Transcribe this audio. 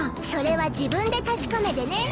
それは自分で確かめでね。